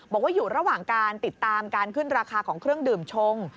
บอกว่าอยู่ระหว่างการติดตามการขึ้นราคาของเครื่องดื่มชง